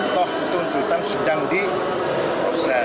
tuh tuntutan sedang dikoset